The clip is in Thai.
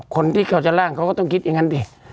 คนที่เขาจะล่างเขาก็ต้องคิดอย่างนั้นดิ